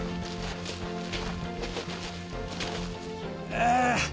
ああ。